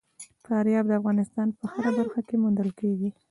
فاریاب د افغانستان په هره برخه کې موندل کېږي.